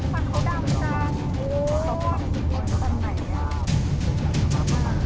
ไม่ไม่ฟันติดเข้ามา